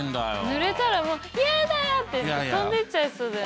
ぬれたらもうやだって飛んでっちゃいそうだよね。